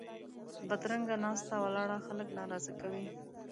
بدرنګه ناسته ولاړه خلک ناراضه کوي